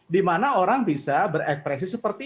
di mana orang bisa berepresi seperti itu